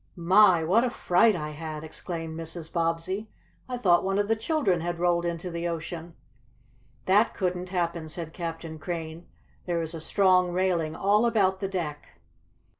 "My! what a fright I had!" exclaimed Mrs. Bobbsey. "I thought one of the children had rolled into the ocean!" "That couldn't happen," said Captain Crane. "There is a strong railing all about the deck."